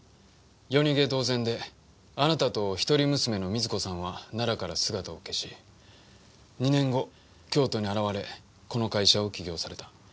夜逃げ同然であなたと一人娘の瑞子さんは奈良から姿を消し２年後京都に現れこの会社を起業された。